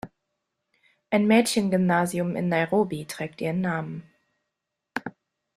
Ein Mädchengymnasium in Nairobi trägt ihren Namen.